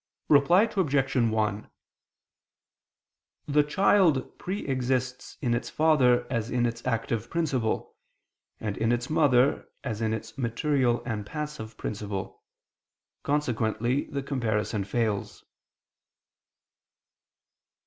Reply Obj. 1: The child pre exists in its father as in its active principle, and in its mother, as in its material and passive principle. Consequently the comparison fails.